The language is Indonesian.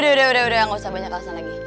udah udah gak usah banyak alasan lagi